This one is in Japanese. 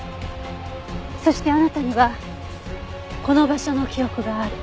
そしてあなたにはこの場所の記憶がある。